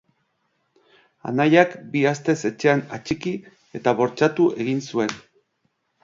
Anaiak bi astez etxean atxiki eta bortxatu egin zuen.